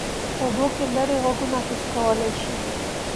په اوبو کې لیرې غږونه حس کولی شي.